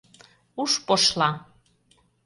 Уш пошла.